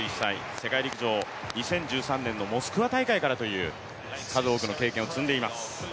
世界陸上２０１３年のモスクワ大会からという数多くの経験を積んでいます。